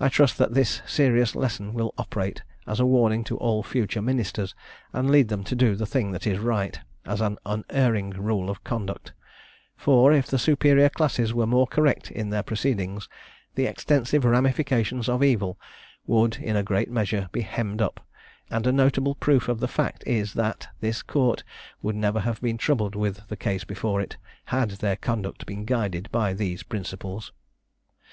I trust that this serious lesson will operate as a warning to all future ministers, and lead them to do the thing that is right, as an unerring rule of conduct; for, if the superior classes were more correct in their proceedings, the extensive ramifications of evil would, in a great measure, be hemmed up and a notable proof of the fact is, that this court would never have been troubled with the case before it, had their conduct been guided by these principles.